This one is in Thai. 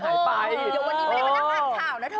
เดี๋ยววันนี้ไม่ได้มานั่งอ่านข่าวนะเธอ